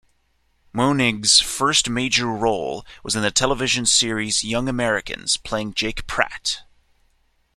Moennig's first major role was in the television series "Young Americans", playing Jake Pratt.